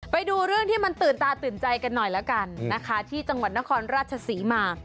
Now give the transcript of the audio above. ไปดูเรื่องที่มันตื่นตาตื่นใจกันหน่อยแล้วกันนะคะที่จังหวัดนครราชศรีมา